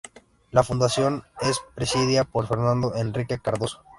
La fundación es presidida por Fernando Henrique Cardoso.